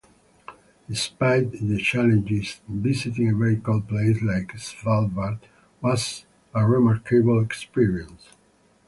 Despite the challenges, visiting a very cold place like Svalbard was a remarkable experience.